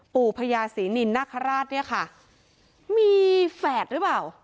ปู่พญาศรีนินนาคาราชเนี่ยค่ะมีแฝดหรือเปล่า